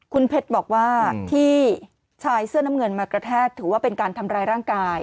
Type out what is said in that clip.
คุณเพชรบอกว่าที่ชายเสื้อน้ำเงินมากระแทกถือว่าเป็นการทำร้ายร่างกาย